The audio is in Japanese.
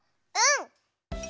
うん！